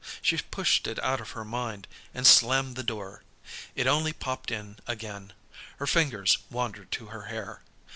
She pushed it out of her mind, and slammed the door. It only popped in again. Her fingers wandered to her hair.